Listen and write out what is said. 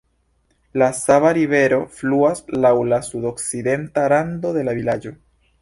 La Sava Rivero fluas laŭ la sudokcidenta rando de la vilaĝo.